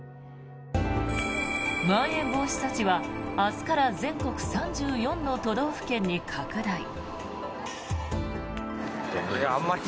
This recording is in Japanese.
まん延防止措置は明日から全国３４の都道府県に拡大。